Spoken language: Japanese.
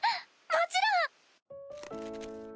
もちろん！